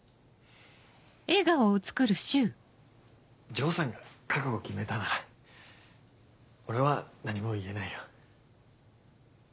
丈さんが覚悟決めたなら俺は何も言えないよ。